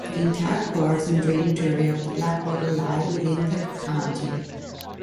The entire course and drainage area of the Blackwater lie within Tucker County.